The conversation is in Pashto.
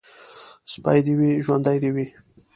سپى دي وي ، ژوندى دي وي.